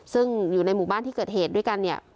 ซึ่งอยู่ในหมู่บ้านที่เกิดเหตุด้วยกันเนี่ย